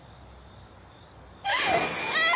ああ！